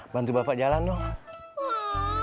bantu bapak jalan dong